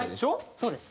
そうです。